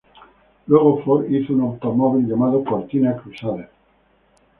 Luego Ford hizo un automóvil llamado Cortina Crusader.